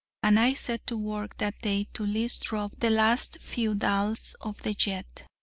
And I set to work that day to list rub the last few dalles of the jet.